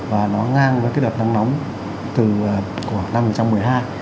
và nó ngang với cái đợt nắng nóng của năm hai nghìn một mươi hai